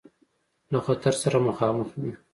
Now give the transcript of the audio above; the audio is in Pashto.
له خطر سره مخامخ وي.